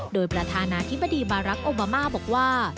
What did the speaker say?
โดยประธานาธิบดีบารักษ์โอบามาบอกว่า